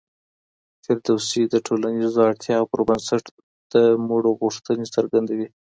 فردوسي د ټولنیزو اړتیاوو پر بنسټ د مړو غوښتنې څرګندوي.